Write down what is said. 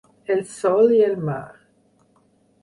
El sòl i el mar.